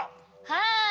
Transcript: はい。